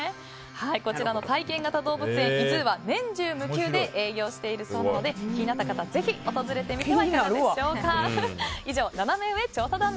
こちらの体験型動物園ｉＺｏｏは年中無休で営業しているそうですので気になった方はぜひ訪れてみてはいかがでしょうか。